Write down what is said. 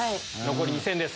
残り２戦です。